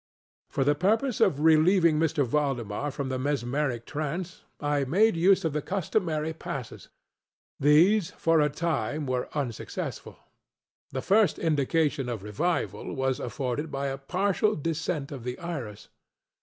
For the purpose of relieving M. Valdemar from the mesmeric trance, I made use of the customary passes. These, for a time, were unsuccessful. The first indication of revival was afforded by a partial descent of the iris.